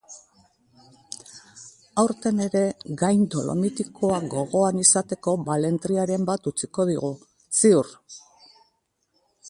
Aurten ere gain dolomitikoak gogoan izateko balentriaren bat utziko digu, ziur.